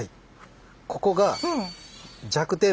ここが弱点部。